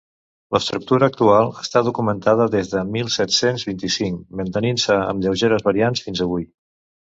L'estructura actual està documentada des del mil set-cents vint-i-cinc, mantenint-se amb lleugeres variants fins avui.